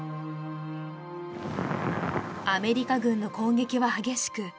アメリカ軍の攻撃は激しく